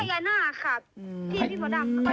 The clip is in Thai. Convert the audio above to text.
ภาพพญานาคค่ะพี่พี่มดำ